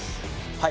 はい。